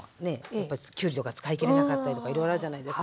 やっぱりきゅうりとか使い切れなかったりとかいろいろあるじゃないですか。